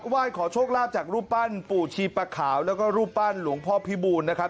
ไหว้ขอโชคลาภจากรูปปั้นปู่ชีปะขาวแล้วก็รูปปั้นหลวงพ่อพิบูลนะครับ